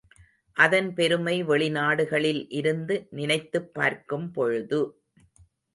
அதன் பெருமை வெளிநாடுகளில் இருந்து நினைத்துப் பார்க்கும் பொழுது.